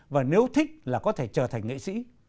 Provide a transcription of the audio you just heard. và nếu thích là có thể trở thành nghệ sĩ